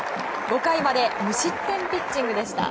５回まで無失点ピッチングでした。